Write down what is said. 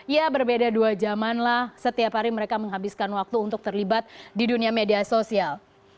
ya berbeda dua jaman lah setiap hari mereka menghabiskan waktu untuk terlibat di dunia media sosial